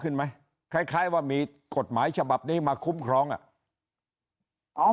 ขึ้นไหมคล้ายคล้ายว่ามีกฎหมายฉบับนี้มาคุ้มครองอ่ะเอา